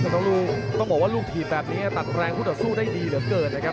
ต้องลูกต้องบอกว่าลูกถีบแบบนี้ตัดแรงผู้ต่อสู้ได้ดีเหลือเกินนะครับ